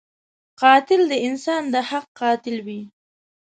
قاتل د انسان د حق قاتل وي